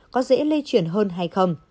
có dễ lây chuyển hơn hay không